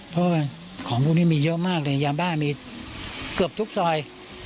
เพราะว่าของพวกนี้มีเยอะมากเลยยาบ้ามีเกือบทุกซอย